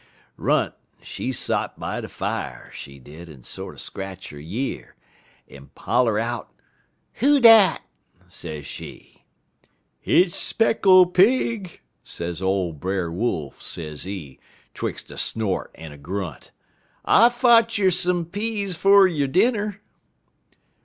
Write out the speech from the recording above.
_ "Runt she sot by de fier, she did, en sorter scratch 'er year, en holler out: "'Who dat?' sez she. "'Hit's Speckle Pig,' sez ole Brer Wolf, sezee, 'twix' a snort en a grunt. 'I fotch yer some peas fer yo' dinner!'